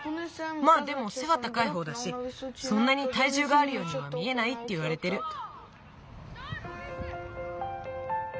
まあでもせはたかいほうだしそんなにたいじゅうがあるようには見えないっていわれてる。